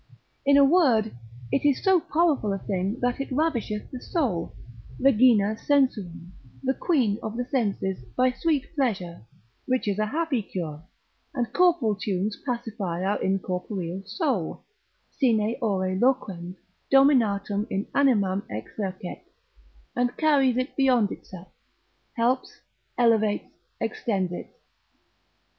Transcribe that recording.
In a word, it is so powerful a thing that it ravisheth the soul, regina sensuum, the queen of the senses, by sweet pleasure (which is a happy cure), and corporal tunes pacify our incorporeal soul, sine ore loquens, dominatum in animam exercet, and carries it beyond itself, helps, elevates, extends it.